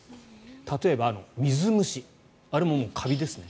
例えば水虫、あれもカビですね。